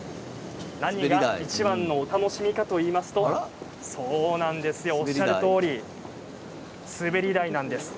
何がいちばんのお楽しみかといいますとそうなんですよおっしゃるとおり滑り台なんです。